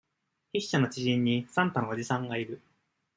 筆者の知人に、サンタのおじさんがいる。